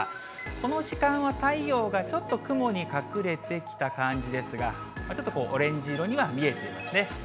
この時間は太陽がちょっと雲に隠れてきた感じですが、ちょっとこう、オレンジ色には見えてますね。